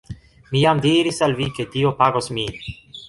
Mi jam diris al vi ke Dio pagos min